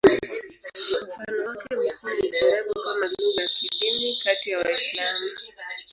Mfano wake mkuu ni Kiarabu kama lugha ya kidini kati ya Waislamu.